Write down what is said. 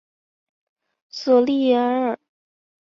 索利耶尔。